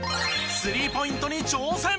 スリーポイントに挑戦。